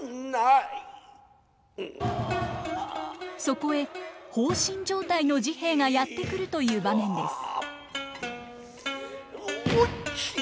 そこへ放心状態の治兵衛がやって来るという場面です。